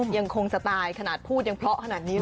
ยังคงสไตล์ขนาดพูดยังเพราะขนาดนี้เลย